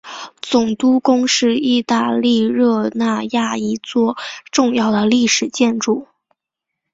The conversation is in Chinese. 总督宫是意大利热那亚一座重要的历史建筑。